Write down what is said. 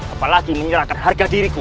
apalagi menyerahkan harga diriku